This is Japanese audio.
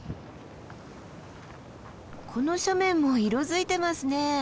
この斜面も色づいてますね。